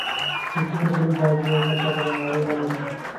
د کور غړي باید یو بل ته درناوی ولري.